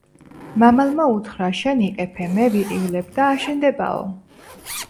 მამალმა უთხრა: შენ იყეფე, მე ვიყივლებ და აშენდებაო.